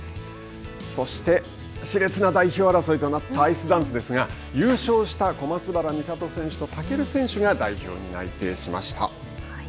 そしてしれつな代表争いとなったアイスダンスですが優勝した小松原美里選手と尊選手が代表に内定しました。